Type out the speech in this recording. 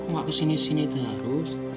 mau kesini sini terus